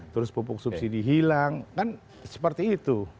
terus pupuk subsidi hilang kan seperti itu